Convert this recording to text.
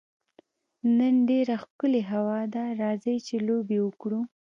نن ډېره ښکلې هوا ده، راځئ چي لوبي وکړو.